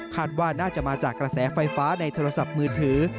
ว่าน่าจะมาจากกระแสไฟฟ้าในโทรศัพท์มือถือ